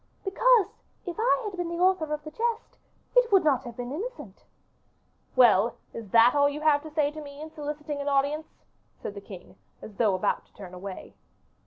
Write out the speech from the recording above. "Because, if I had been the author of the jest, it would not have been innocent." "Well, is that all you had to say to me in soliciting an audience?" said the king, as though about to turn away.